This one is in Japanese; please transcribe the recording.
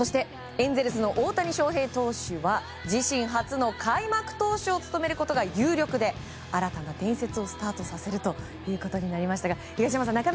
エンゼルスの大谷翔平投手は自身初の開幕投手を務めることが有力で新たな伝説をスタートさせるということになりましたが、東山さん